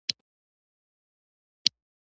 د خپل ځان سره صداقت د ذهن سکون لامل کیږي.